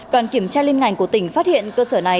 đoàn kiểm tra liên ngành của tỉnh phát hiện cơ sở này